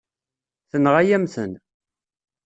Tenɣa-yam-ten.